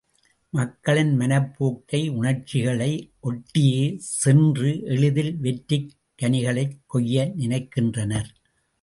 மக்களின் மனப்போக்கை உணர்ச்சிகளை ஒட்டியே சென்று எளிதில் வெற்றிக் கனிகளைக் கொய்ய நினைக்கின்றனர்.